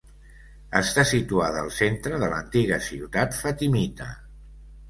Està situada al centre de l'antiga ciutat fatimita.